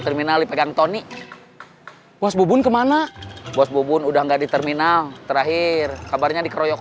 terminal dipegang tony mas bubun kemana bos bubun udah enggak di terminal terakhir kabarnya dikeroyok